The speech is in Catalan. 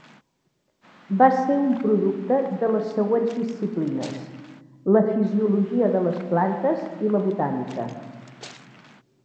Va ser un producte de les següents disciplines: la fisiologia de les plantes i la botànica.